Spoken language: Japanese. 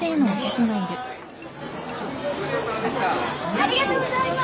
ありがとうございます！